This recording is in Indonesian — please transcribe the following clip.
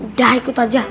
udah ikut aja